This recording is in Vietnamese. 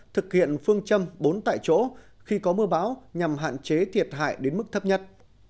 thực hiện phương châm bốn tại chỗ khi có mưa bão nhằm hạn chế thiệt hại đến mức thấp nhất